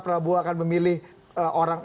prabowo akan memilih orang